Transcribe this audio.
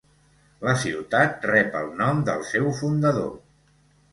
La ciutat rep el nom del seu fundador.